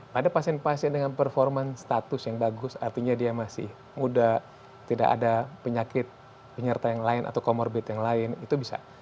pada pasien pasien dengan performance status yang bagus artinya dia masih muda tidak ada penyakit penyerta yang lain atau comorbid yang lain itu bisa